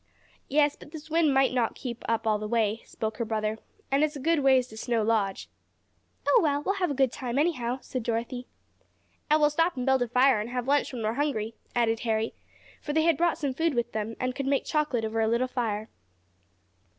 "Yes, but this wind may not keep up all the way," spoke her brother. "And it's a good ways to Snow Lodge." "Oh, well, we'll have a good time, anyhow," said Dorothy. "And we'll stop and build a fire and have lunch when we're hungry," added Harry, for they had brought some food with them, and could make chocolate over a little fire.